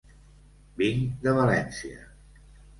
Vinc de València.